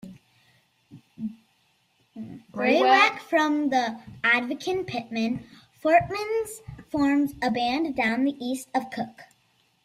Greywacke from the Ordovician Pittman Formation forms a band down the east of Cook.